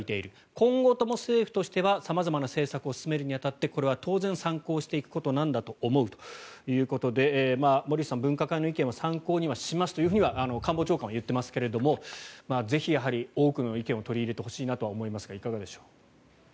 今後とも政府としては様々な政策を進めるに当たって当然これは参考にしていくことなんだと思うということで森内さん、分科会の意見は参考にしますとは官房長官は言っていますがぜひ、多くの意見を取り入れてほしいなと思いますがいかがでしょうか。